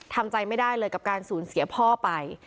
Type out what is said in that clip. ทำใจไม่ได้เลยกับการสูญเสียพ่อไป